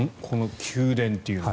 宮殿というのは。